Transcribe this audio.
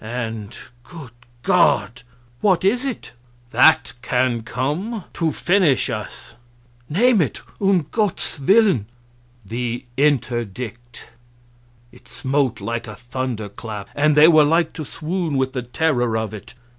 And, good God! " "What is it?" "That can come to finish us!" "Name it um Gottes Willen!" "The Interdict!" It smote like a thunderclap, and they were like to swoon with the terror of it.